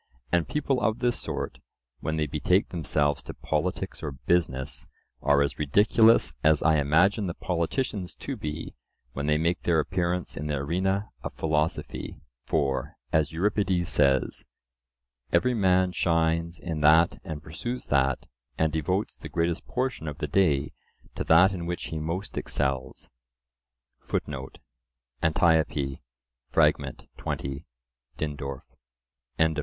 And people of this sort, when they betake themselves to politics or business, are as ridiculous as I imagine the politicians to be, when they make their appearance in the arena of philosophy. For, as Euripides says, "Every man shines in that and pursues that, and devotes the greatest portion of the day to that in which he most excels," (Antiope, fragm. 20 (Dindorf).)